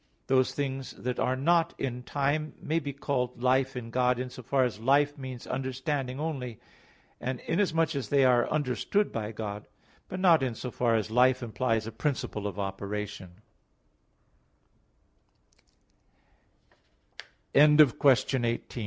Those things that are not in time may be called life in God in so far as life means understanding only, and inasmuch as they are understood by God; but not in so far as life implies a principle of opera